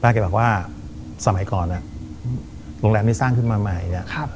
ป้าแกบอกว่าสมัยก่อนอ่ะอืมโรงแรมนี้สร้างขึ้นมาใหม่เนี้ยครับ